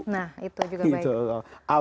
nah itu juga baik